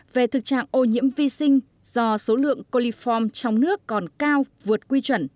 về thực trạng ô nhiễm vi sinh do số lượng coliform trong nước còn cao vượt quy chuẩn